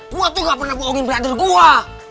gue tuh gak pernah bohongin brother gue